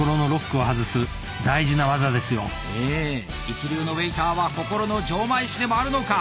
一流のウェイターは心の錠前師でもあるのか！